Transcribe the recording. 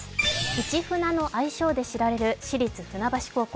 市船の愛称でも知られる市立船橋高校。